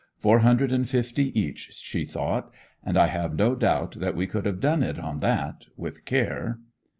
Four hundred and fifty each, she thought. And I have no doubt that we could have done it on that, with care.